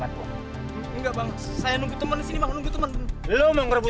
enggak bang saya disini ngeojek sambil nunggu temen